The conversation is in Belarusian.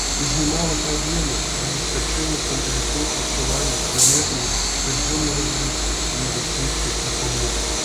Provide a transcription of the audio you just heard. Узнімала праблемы забеспячэння франтавікоў харчаваннем, прадметамі штодзённага ўжытку, медыцынскай дапамогай.